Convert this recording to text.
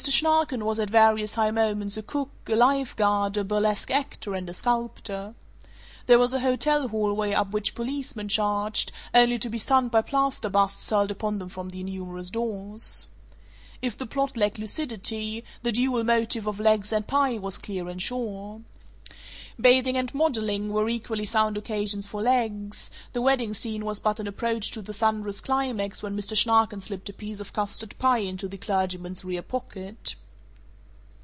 Schnarken was at various high moments a cook, a life guard, a burlesque actor, and a sculptor. There was a hotel hallway up which policemen charged, only to be stunned by plaster busts hurled upon them from the innumerous doors. If the plot lacked lucidity, the dual motif of legs and pie was clear and sure. Bathing and modeling were equally sound occasions for legs; the wedding scene was but an approach to the thunderous climax when Mr. Schnarken slipped a piece of custard pie into the clergyman's rear pocket.